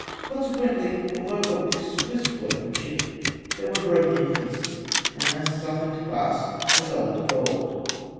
Consequently, although of exquisite workmanship, they were broken in pieces, and thus suffered to pass as old gold.